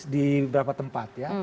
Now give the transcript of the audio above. di beberapa tempat ya